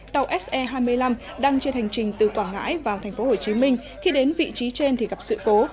tàu se hai mươi năm đang trên hành trình từ quảng ngãi vào tp hcm khi đến vị trí trên thì gặp sự cố